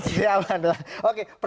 ya amat lah oke